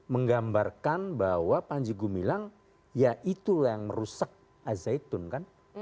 menggambarkan bahwa panji gumilang ya itulah yang merusak azeitun kan